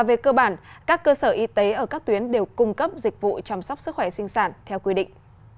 về cơ bản các cơ sở y tế ở các tuyến đều cung cấp dịch vụ chăm sóc sức khỏe sinh sản theo quy định